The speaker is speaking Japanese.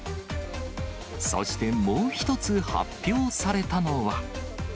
そしてもう１つ発表されたのは。